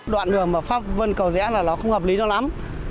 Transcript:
đoạn đường mà phát vân cầu rẽ là nó không hợp lý cho lắm